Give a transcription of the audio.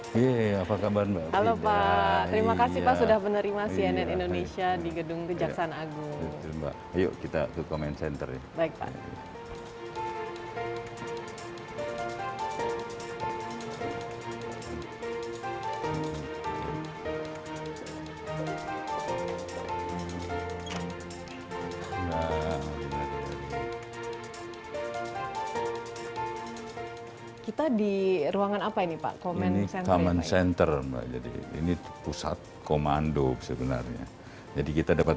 kita di ruangan apa ini pak komen komen center jadi ini pusat komando sebenarnya jadi kita dapat